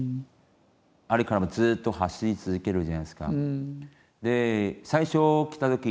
あれからもうずっと走り続けるじゃないですか。